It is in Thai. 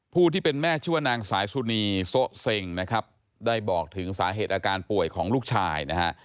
ที่เป็นแม่ชื่อว่านางสายสุนีโซะเซ็งนะครับได้บอกถึงสาเหตุอาการป่วยของลูกชายนะฮะ